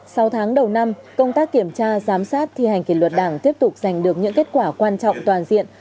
sau tháng đầu năm công tác kiểm tra giám sát thi hành kỷ luật đảng tiếp tục giành được những kết quả quan trọng toàn diện